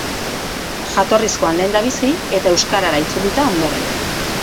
Jatorrizkoan lehendabizi, eta euskarara itzulita ondoren.